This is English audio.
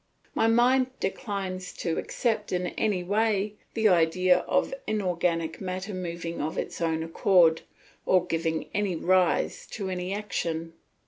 My mind declines to accept in any way the idea of inorganic matter moving of its own accord, or giving rise to any action.